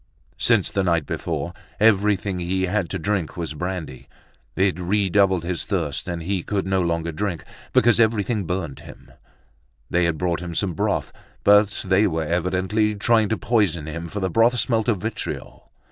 Since the night before, everything he had had to drink was brandy. It redoubled his thirst and he could no longer drink, because everything burnt him. They had brought him some broth, but they were evidently trying to poison him, for the broth smelt of vitriol.